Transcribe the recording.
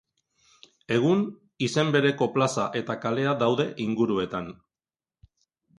Egun, izen bereko plaza eta kalea daude inguruetan.